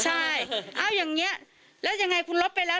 ใช่เอาอย่างนี้แล้วยังไงคุณลบไปแล้ว